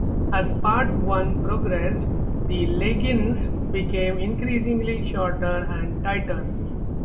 As Part One progressed, the leggings became increasingly shorter and tighter.